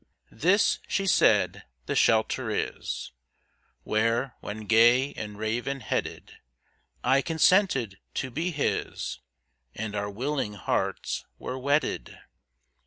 "This," she said, "the shelter is, Where, when gay and raven headed, I consented to be his, And our willing hearts were wedded.